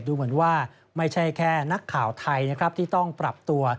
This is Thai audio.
ดูเหมือนว่าไม่ใช่แค่นักข่าวไทยนะครับที่ต้องปรับตัว